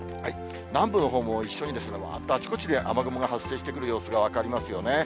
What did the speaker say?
南部のほうも一緒にですが、わーっとあちこちで雨雲が発生してくる様子が分かりますよね。